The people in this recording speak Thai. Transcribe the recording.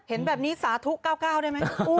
เห็นแบบนี้สาธุ๙๙ได้ไหม